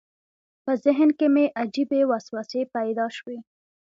په ذهن کې مې عجیبې وسوسې پیدا شوې.